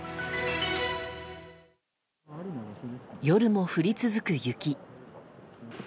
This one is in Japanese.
夜も降り続く雪。